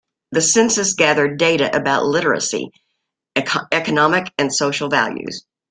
The census gathered data about literacy, economic and social values.